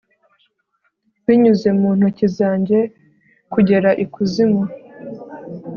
Binyuze mu ntoki zanjye kugera ikuzimu